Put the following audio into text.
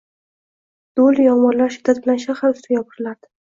Do’lu yomg’irlar shiddat bilan shahar ustiga yopirilardi.